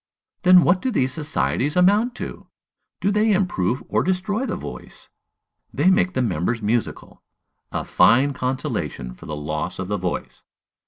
Then what do these societies amount to? Do they improve or destroy the voice? They make the members musical. A fine consolation for the loss of the voice!